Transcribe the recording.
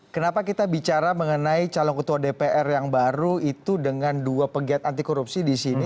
kenapa kita bicara mengenai calon ketua dpr yang baru itu dengan dua pegiat anti korupsi di sini